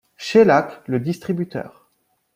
Shellac le distributeur.